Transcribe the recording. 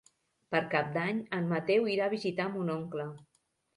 Per Cap d'Any en Mateu irà a visitar mon oncle.